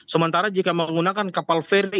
sementara jika menggunakan kapal feri